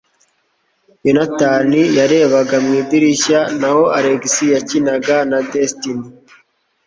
Yonatani yarebaga mu idirishya naho Alex yakinaga na Destiny.